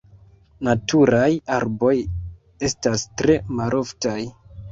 Naturaj arboj estas tre maloftaj.